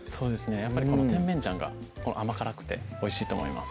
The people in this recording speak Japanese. やっぱりこの甜麺醤が甘辛くておいしいと思います